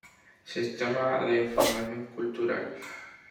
Sistema de Información cultural.